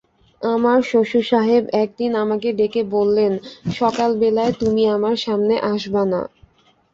আমার শ্বশুরসাহেব একদিন আমাকে ডেকে বললেন, সকালবেলায় তুমি আমার সামনে আসবা না।